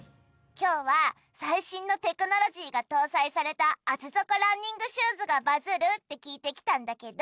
今日は最新のテクノロジーが搭載された厚底ランニングシューズがバズるって聞いてきたんだけど